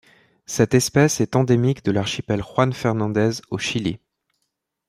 Cette espèce est endémique de l'archipel Juan Fernández au Chili.